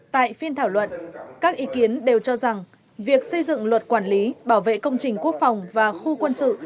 tại phiên thảo luận các ý kiến đều cho rằng việc xây dựng luật quản lý bảo vệ công trình quốc phòng và khu quân sự